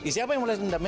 siapa yang mulai dendam ya